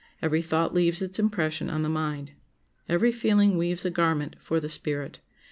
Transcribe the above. Every thought leaves its impression on the mind. Every feeling weaves a garment for the spirit.